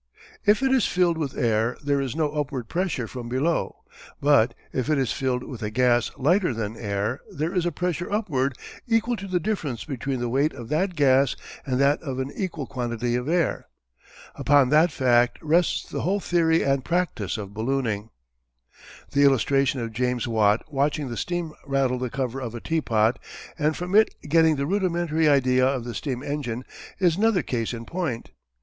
If it is filled with air there is no upward pressure from below, but if it is filled with a gas lighter than air there is a pressure upward equal to the difference between the weight of that gas and that of an equal quantity of air. Upon that fact rests the whole theory and practice of ballooning. The illustration of James Watt watching the steam rattle the cover of a teapot and from it getting the rudimentary idea of the steam engine is another case in point.